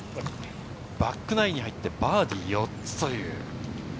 バックナインに入ってバーディー４つ。